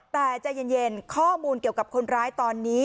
แต่ใจเย็นข้อมูลเกี่ยวกับคนร้ายตอนนี้